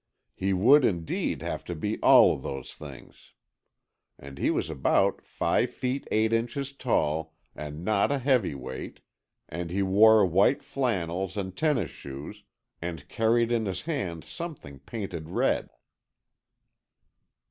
He would, indeed, have to be all those things. And he was about five feet eight inches tall, and not a heavy weight, and he wore white flannels and tennis shoes and carried in his hand something painted red."